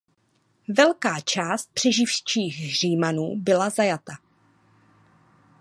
Velká část přeživších Římanů byla zajata.